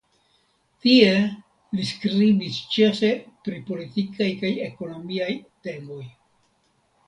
Tie li skribis ĉefe pri politikaj kaj ekonomiaj temoj.